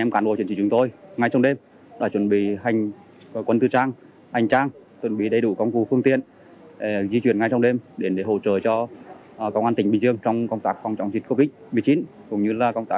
cảnh sát cơ động trung bộ đã được trang bị đầy đủ công cụ hỗ trợ để thực hiện nhiệm vụ